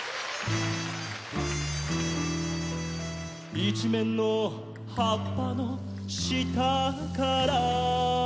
「いちめんのはっぱのしたから」